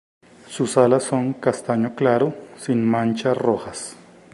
Sus alas son castaño claro, sin manchas rojas.